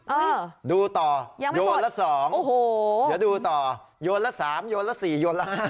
เออยังไม่หมดโยนละ๒อย่าดูต่อโยนละ๓โยนละ๔โยนละ๕